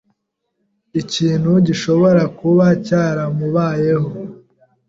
Ikintu gishobora kuba cyaramubayeho.